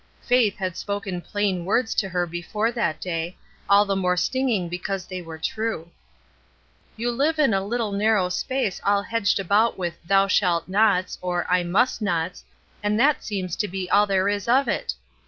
Faith had spoken plain words to her before that day, all the more stinging because they were true. 102 MODELS 103 "You live in a little narrow space all hedged about with 'Thou shalt nots' or 'I must nots/ and that seems to be all there is of it."